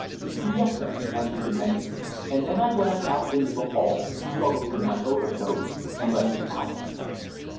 "Yes, sir," answered the maid, and then I went out into the hall, struggled into my overcoat, and left the house.